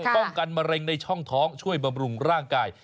ป้องกันมะเร็งในช่องท้องช่วยบำรุงร่างกาย